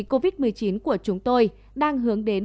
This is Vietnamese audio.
covid một mươi chín của chúng tôi đang hướng đến